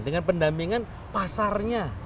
dengan pendampingan pasarnya